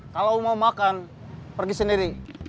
kalau mau makan pergi sendiri